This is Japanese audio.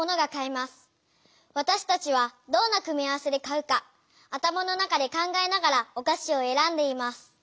わたしたちはどんな組み合わせで買うか頭の中で考えながらおかしをえらんでいます。